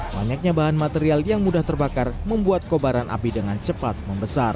banyaknya bahan material yang mudah terbakar membuat kobaran api dengan cepat membesar